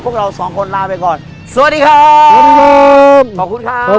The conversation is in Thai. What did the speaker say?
พวกเราสองคนลาไปก่อนสวัสดีครับสวัสดีครับขอบคุณครับ